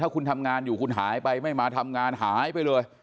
คุณทำงานอยู่คุณหายไปไม่มาทำงานหายไปเลย